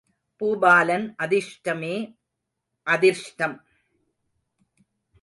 பூபாலன் அதிர்ஷ்டமே, அதிர்ஷ்டம்!